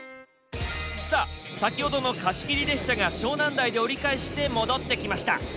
さあ先ほどの貸し切り列車が湘南台で折り返して戻ってきました。